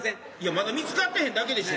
まだ見つかってへんだけでしょ。